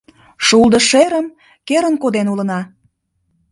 Шулдо шерым керын коден улына